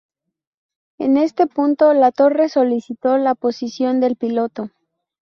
En este punto, la torre solicitó la posición del piloto.